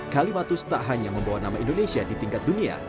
kalimatus tak hanya membawa nama indonesia di tingkat dunia